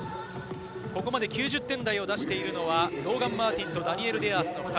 ここまで９０点台を出しているのは、ローガン・マーティンとダニエル・デアースの２人。